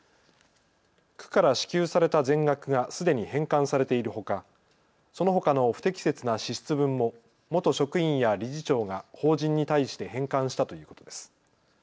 区から支給された全額がすでに返還されているほか、そのほかの不適切な支出分も元職員や理事長が法人に対して返還したということです。